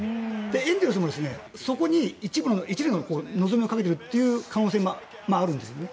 エンゼルスもそこに一縷の望みをかけている可能性もあるんですね。